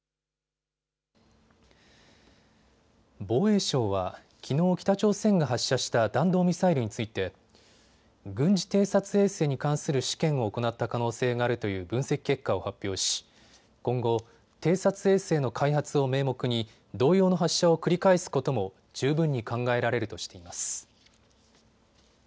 防衛省は、きのう北朝鮮が発射した弾道ミサイルについて軍事偵察衛星に関する試験を行った可能性があるという分析結果を発表し今後、偵察衛星の開発を名目に同様の発射を繰り返すことも十分に考えられるとしています。